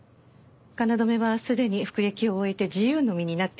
京はすでに服役を終えて自由の身になっていますし。